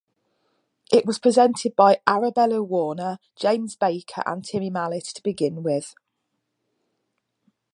It was presented by Arabella Warner, James Baker and Timmy Mallett to being with.